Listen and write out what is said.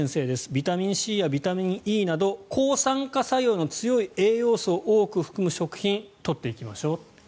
ビタミンＣやビタミンＥなど抗酸化作用の強い栄養素を多く含む食品を取っていきましょう。